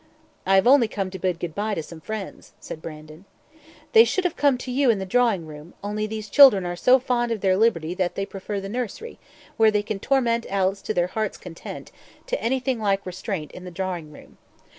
"I have only come to bid goodbye to some friends," said Brandon. "They should have come to you in the drawing room, only those children are so fond of their liberty that they prefer the nursery, where they can torment Alice to their hearts' content, to anything like restraint in the drawing room.